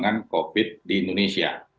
kelembangan covid di indonesia